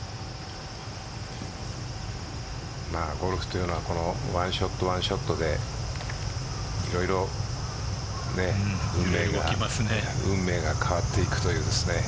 ゴルフというのは１ショット１ショットで運命が変わっていくというね。